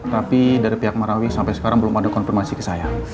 tapi dari pihak marawi sampai sekarang belum ada konfirmasi ke saya